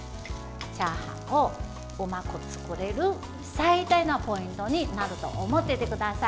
チャーハンをうまく作れる最大のポイントになると思っててください。